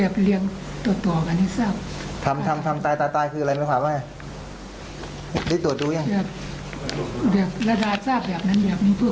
เป็นกระถาเป็นกระถาของเขานี่เขาได้ยึดดิ้งมาเรื่อยเรื่อยเริ่มมาเรื่อยเรื่อย